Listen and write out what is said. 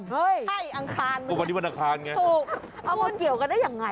เฮ้ยอังคารมั้ยถูกเอามาเกี่ยวกันได้อย่างไร